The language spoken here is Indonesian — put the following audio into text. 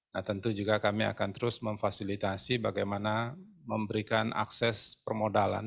nah tentu juga kami akan terus memfasilitasi bagaimana memberikan akses permodalan